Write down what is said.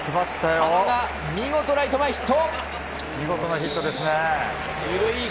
佐野が見事ライト前ヒット！